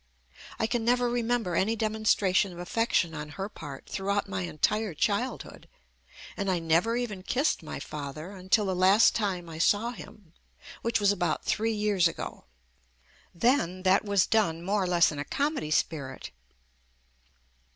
I can never remember any demonstration of affection on her part through out my entire childhood, and I never even kissed my father until the last time I saw him, JUST ME which was about three years ago ; then that was done more or less in a comedy spirit.